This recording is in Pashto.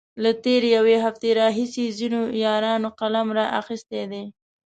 له تېرې يوې هفتې راهيسې ځينو يارانو قلم را اخستی دی.